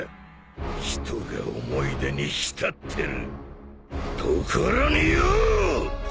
人が思い出に浸ってるところによぉ！